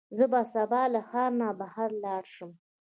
زه به سبا له ښار نه بهر لاړ شم.